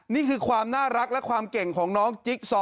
นี่คือความน่ารักและความเก่งของน้องจิ๊กซอ